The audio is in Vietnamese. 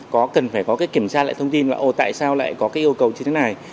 cần phải có cái kiểm tra lại thông tin là tại sao lại có cái yêu cầu như thế này